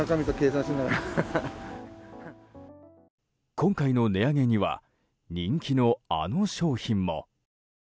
今回の値上げには人気のあの商品も。